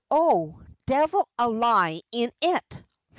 'Oh, devil a lie in it!